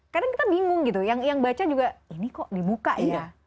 kadang kita bingung gitu yang baca juga ini kok dibuka ya